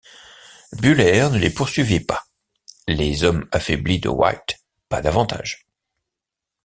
Buller ne les poursuivit pas, les hommes affaiblis de White pas d'avantage.